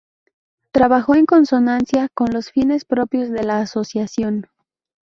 Trabajo en consonancia con los fines propios de la Asociación.